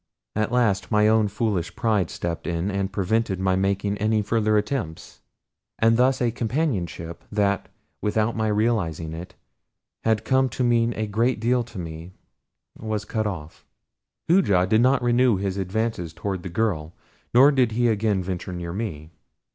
At last my own foolish pride stepped in and prevented my making any further attempts, and thus a companionship that without my realizing it had come to mean a great deal to me was cut off. Thereafter I confined my conversation to Perry. Hooja did not renew his advances toward the girl, nor did he again venture near me.